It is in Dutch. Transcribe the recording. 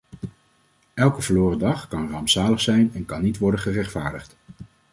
Elke verloren dag kan rampzalig zijn en kan niet worden gerechtvaardigd.